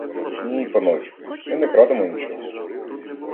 — Ні, паночку, ми не крадемо нічого.